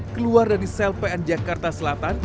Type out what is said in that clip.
keluar dari sel pn jakarta selatan